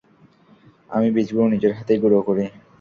আমি বীজগুলো নিজের হাতে গুড়ো করি!